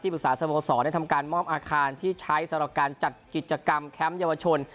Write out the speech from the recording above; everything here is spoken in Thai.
ที่ปรึกษาสมศได้ทำการม่อมอาคารที่ใช้สรรค์การจัดกิจกรรมแคมป์เยี่ยวชน